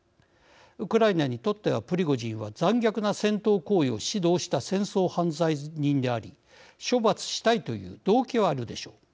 ウクライナにとってはプリゴジンは残虐な戦闘行為を指導した戦争犯罪人であり処罰したいという動機はあるでしょう。